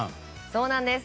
そうなんです。